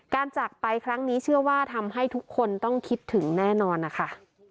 จากไปครั้งนี้เชื่อว่าทำให้ทุกคนต้องคิดถึงแน่นอนนะคะ